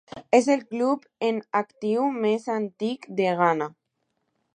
És el club en actiu més antic de Ghana.